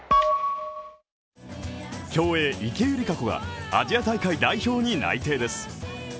競泳・池江璃花子がアジア大会代表に内定です。